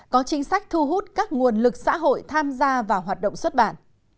có chính sách thu hút các nguồn lực xã hội tham gia vào hoạt động xuất bản